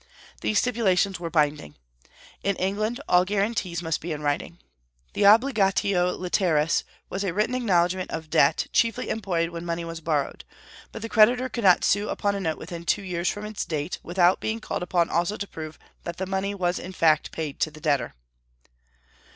These stipulations were binding. In England all guarantees must be in writing. The obligatio literis was a written acknowledgment of debt, chiefly employed when money was borrowed; but the creditor could not sue upon a note within two years from its date, without being called upon also to prove that the money was in fact paid to the debtor.